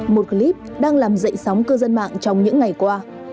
một clip đang làm dậy sóng cư dân mạng trong những ngày qua